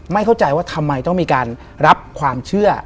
เข้าใจว่าทำไมต้องมีการรับความเชื่อ